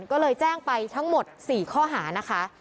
ก็เลยแจ้งไปทั้งหมด๔ข้อหานะคะ